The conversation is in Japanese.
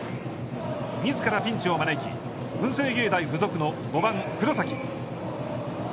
自らピンチを招き文星芸大付属の５番黒崎。